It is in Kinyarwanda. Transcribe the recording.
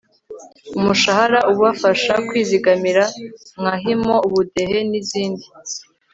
umushahara ubafasha kwizigamira nka (himo, ubudehe, n' izindi